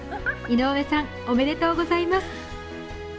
井上さん、おめでとうございます。